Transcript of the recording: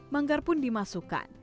manggar pun dimasukkan